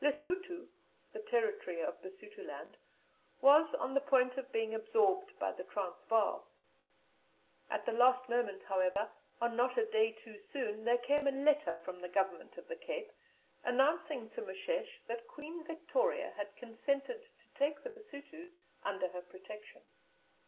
Lessuto (the territory of Basutoland) was on the point of being absorbed by the Transvaal. At the last moment, however, and not a day too soon, there came a letter from the Governor of the Cape announcing to Moshesh that Queen Victoria had consented to take the Basutos under her protection.